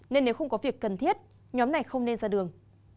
nên nếu không có việc cần thiết nhóm này không nên ra đường